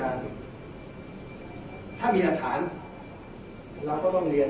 ถ้ามีหลักฐานเราก็ต้องเรียน